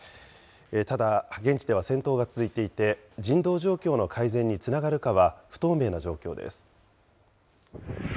ただ現地では戦闘が続いていて、人道状況の改善につながるかは、不透明な状況です。